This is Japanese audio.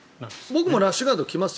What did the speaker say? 僕もラッシュガード着ます